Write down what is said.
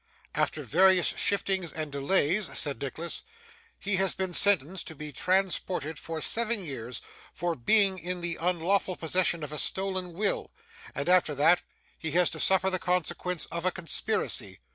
'After various shiftings and delays,' said Nicholas, 'he has been sentenced to be transported for seven years, for being in the unlawful possession of a stolen will; and, after that, he has to suffer the consequence of a conspiracy.